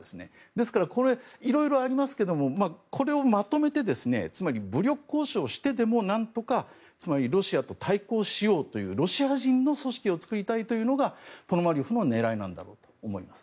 ですから、いろいろありますけどこれをまとめて武力行使をしてでも、何とかロシアと対抗しようというロシア人の組織を作りたいというのがポノマリョフの狙いなんだと思います。